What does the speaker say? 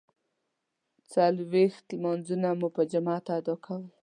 څلویښت لمانځونه مو په جماعت ادا کول.